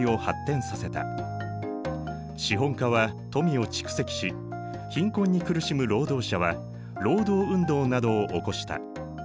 資本家は富を蓄積し貧困に苦しむ労働者は労働運動などを起こした。